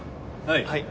はい！